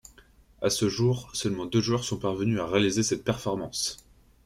À ce jour, seulement deux joueurs sont parvenus à réaliser cette performance.